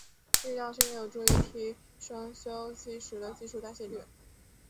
力量训练有助于提升休息时的基础代谢率。